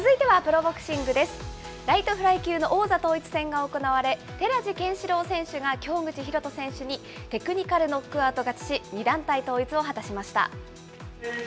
ライトフライ級の王座統一戦が行われ、寺地拳四朗選手が、京口紘人選手にテクニカルノックアウト勝ちし、２団体統一を果たしました。